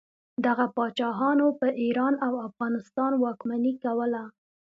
دغه پاچاهانو په ایران او افغانستان واکمني کوله.